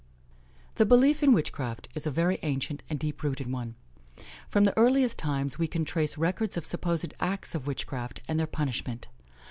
'" The belief in witchcraft is a very ancient and deep rooted one. From the earliest times, we can trace records of supposed acts of witchcraft, and their punishment.